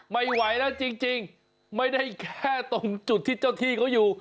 ไม่ไหวแล้วจริงไม่ได้แค่ตรงจุดที่เจ้าที่เขาอยู่